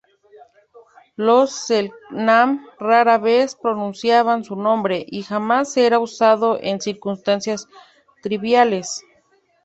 Los selknam rara vez pronunciaban su nombre y, jamás era usado en circunstancias triviales.